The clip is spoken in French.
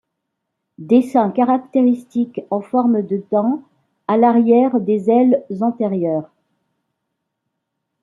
Dessins caractéristiques en forme de dents à l'arrière des ailes antérieures.